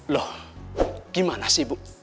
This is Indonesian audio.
loh gimana sih bu